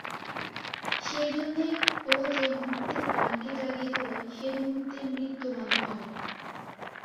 সেইজন্যে ও যে মুহূর্তে প্রাণকে জাগিয়ে তোলে সেই মুহূর্তেই মৃত্যুবাণও মারে।